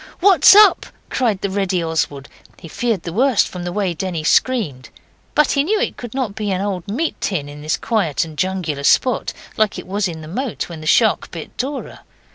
'What's up?' cried the ready Oswald; he feared the worst from the way Denny screamed, but he knew it could not be an old meat tin in this quiet and jungular spot, like it was in the moat when the shark bit Dora.